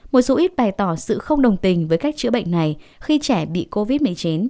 một số ít bày tỏ sự không đồng tình với cách chữa bệnh này khi trẻ bị covid một mươi chín